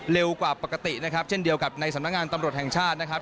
เร็วกว่าปกตินะครับเช่นเดียวกับในสำนักงานตำรวจแห่งชาตินะครับ